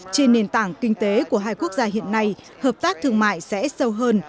trên nền tảng kinh tế của hai quốc gia hiện nay hợp tác thương mại sẽ sâu hơn